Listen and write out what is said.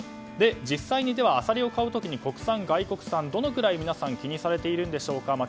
実際にアサリを買う時に国産、外国産どのくらい、皆さん気にされているのでしょうか。